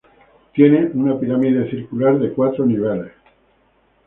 Tiene una pirámide circular de cuatro niveles.